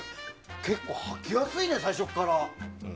結構履きやすいね最初から。